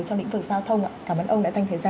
trong lĩnh vực giao thông cảm ơn ông đã thanh thời gian